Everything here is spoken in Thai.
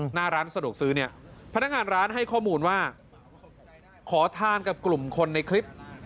หน้าร้านสะดวกซื้อเนี่ยพนักงานร้านให้ข้อมูลว่าขอทานกับกลุ่มคนในคลิป